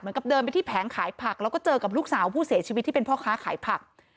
เดินไปที่แผงขายผักแล้วก็เจอกับลูกสาวผู้เสียชีวิตที่เป็นพ่อค้าขายผัก